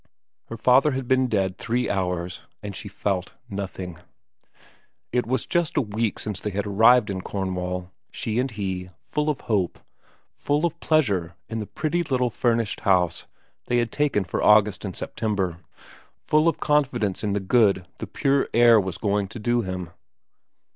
Her father had been dead three hours, and she felt nothing. S> I B 2 VERA i It was just a week since they had arrived in Cornwall, she and he, full of hope, full of pleasure in the pretty little furnished house they had taken for August and September, full of confidence in the good the pure air was going to do him.